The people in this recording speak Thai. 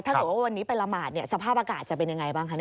ถ้าเกิดว่าวันนี้ไปละหมาดเนี่ยสภาพอากาศจะเป็นยังไงบ้างคะ